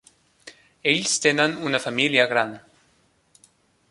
Ells tenen una família gran.